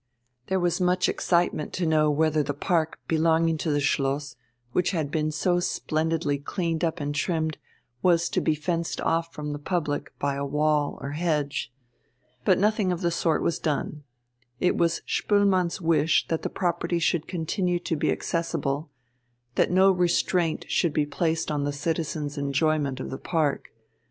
There was much excitement to know whether the park belonging to the Schloss, which had been so splendidly cleaned up and trimmed, was to be fenced off from the public by a wall or hedge. But nothing of the sort was done. It was Spoelmann's wish that the property should continue to be accessible, that no restraint should be placed on the citizens' enjoyment of the park.